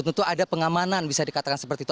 tentu ada pengamanan bisa dikatakan seperti itu